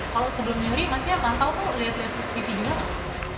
kalau sebelum nyuri maksudnya mantau tuh liat liat cctv juga pak